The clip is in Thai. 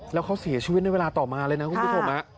แล้วเขาเสียชีวิตในเวลาต่อมาเลยนะคุณผู้ชม